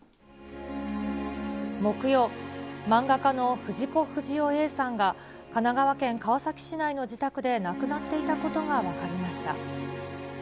木曜、漫画家の藤子不二雄Ａさんが神奈川県川崎市内の自宅で亡くなっていたことが分かりました。